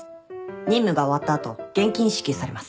任務が終わった後現金支給されます。